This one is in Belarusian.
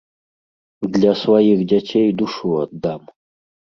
Для сваіх дзяцей душу аддам.